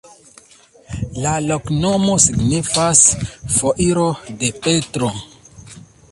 La loknomo signifas: foiro de Petro.